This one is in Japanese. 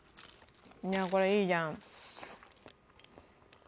これいいじゃん。